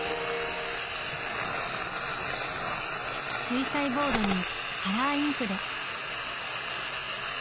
水彩ボードにカラーインクで。